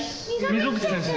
溝口先生。